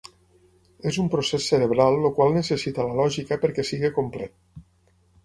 És un procés cerebral el qual necessita la lògica perquè sigui complet.